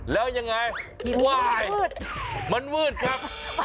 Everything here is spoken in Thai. แล้วยังไงว้ายมันมืดครับ